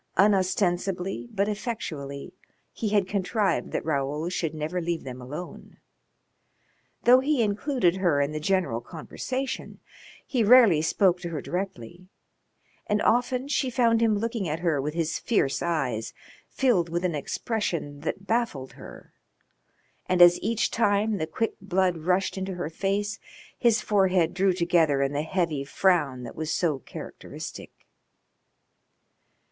Unostensibly but effectually he had contrived that Raoul should never leave them alone. Though he included her in the general conversation he rarely spoke to her directly, and often she found him looking at her with his fierce eyes filled with an expression that baffled her, and as each time the quick blood rushed into her face his forehead drew together in the heavy frown that was so characteristic.